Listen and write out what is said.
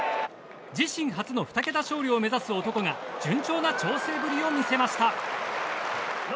自身初の２桁勝利を目指す男が順調な調整ぶりを見せました。